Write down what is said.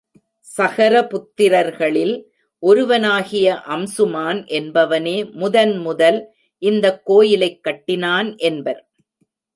சகர புத்திரர்களில் ஒருவனாகிய அம்சுமான் என்பவனே முதன் முதல் இந்தக் கோயிலைக் கட்டினான் என்பர்.